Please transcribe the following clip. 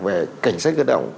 về cảnh sát cơ động